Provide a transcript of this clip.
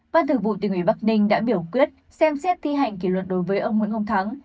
ban thử vụ tiến ủy bắc ninh đã biểu quyết xem xét thi hành kỷ luật đối với ông nguyễn công thắng